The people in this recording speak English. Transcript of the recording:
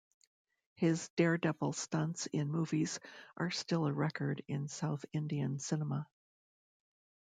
His dare-devil stunts in movies are still a record in South Indian cinema.